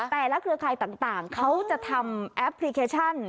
เครือข่ายต่างเขาจะทำแอปพลิเคชัน